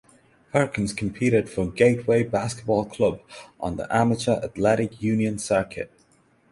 Perkins competed for Gateway Basketball Club on the Amateur Athletic Union circuit.